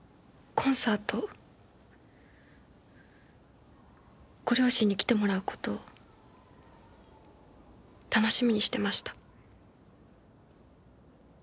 コンサートご両親に来てもらう事を楽しみにしてました。